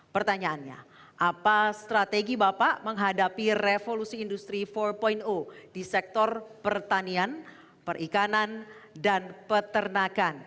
pertanyaannya apa strategi bapak menghadapi revolusi industri empat di sektor pertanian perikanan dan peternakan